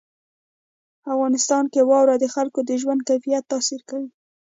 افغانستان کې واوره د خلکو د ژوند کیفیت تاثیر کوي.